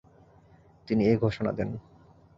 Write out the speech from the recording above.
তিনি এই ঘোষণা দেন।